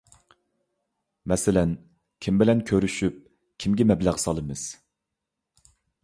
مەسىلەن، كىم بىلەن كۆرۈشۈپ، كىمگە مەبلەغ سالىمىز؟